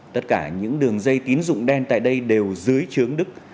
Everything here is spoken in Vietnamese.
tất cả những đường dây tín dụng đen tại đây đều dưới trướng đức